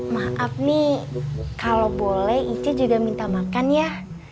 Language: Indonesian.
maaf nih kalau boleh ici juga minta makan ya